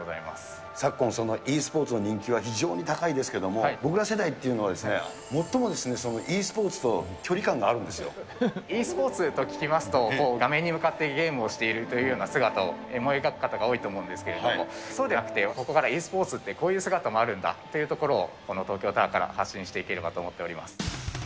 昨今、ｅスポーツの人気は非常に高いですけれども、僕ら世代というのは、最もｅスポーツと距ｅスポーツと聞きますと、画面に向かってゲームをしているというような姿を思い描く方が多いと思うんですけれども、そうではなくて、ここからｅスポーツってこういう姿もあるんだということを、この東京タワーから発信していければなと思っております。